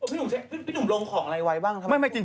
อุ๊ยพี่หนุ่มลงของอะไรไว้บ้าง